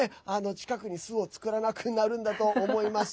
近くに巣を作らなくなるんだと思います。